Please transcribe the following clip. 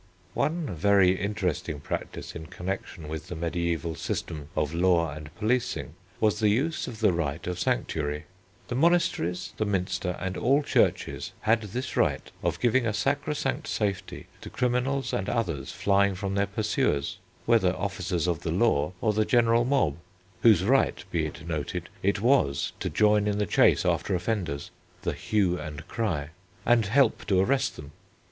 One very interesting practice in connection with the mediæval system of law and policing was the use of the right of sanctuary. The monasteries, the Minster, and all churches had this right of giving a sacrosanct safety to criminals and others flying from their pursuers, whether officers of the law or the general mob, whose right, be it noted, it was to join in the chase after offenders (the "hue and cry") and help to arrest them.